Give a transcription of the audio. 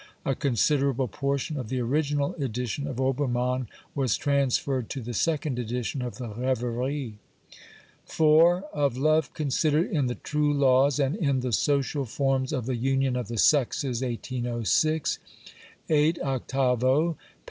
A considerable portion of the original edition of Obermann was transferred to the second edition of the Reveries. 4. " Of Love Considered in the True Laws and in the Social Forms of the Union of the Sexes," 1806. 8vo, pp.